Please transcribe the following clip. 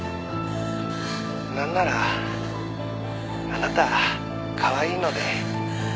「なんならあなたかわいいので特別に」